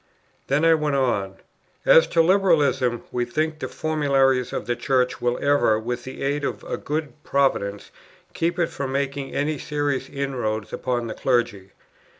Then I went on: "As to Liberalism, we think the formularies of the Church will ever, with the aid of a good Providence, keep it from making any serious inroads upon the clergy.